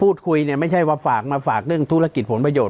พูดคุยเนี่ยไม่ใช่ว่าฝากมาฝากเรื่องธุรกิจผลประโยชน